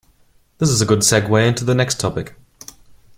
This is a good segway into the next topic.